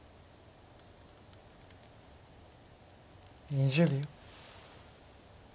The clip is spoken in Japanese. ２０秒。